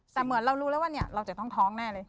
แต่เหมือนเรารู้แล้วว่าเราจะต้องท้องแน่เลย